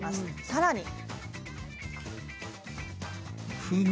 さらに。